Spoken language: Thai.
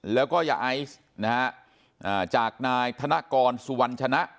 แล้วก็ยาไอซ์นะฮะจากนายธนกรสุวรรณชนะ